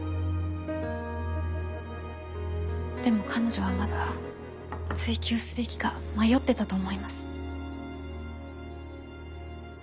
でも彼女はまだ追求すべきか迷ってたと思います。